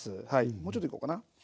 もうちょっといこうかな。